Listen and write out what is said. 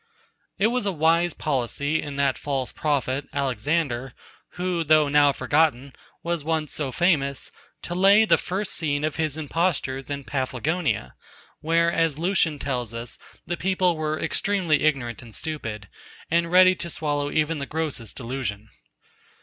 It was a wise policy in that false prophet, Alexander, who though now forgotten, was once so famous, to lay the first scene of his impostures in Paphlagonia, where, as Lucian tells us, the people were extremely ignorant and stupid, and ready to swallow even the grossest delusion.